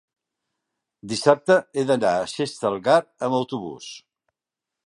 Dissabte he d'anar a Xestalgar amb autobús.